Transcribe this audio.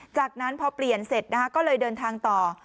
จากนั้นพอเปลี่ยนเสร็จนะคะก็เลยเดินทางต่อ